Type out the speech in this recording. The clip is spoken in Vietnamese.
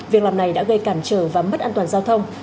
việc làm này đã gây cản trở và mất an toàn giao thông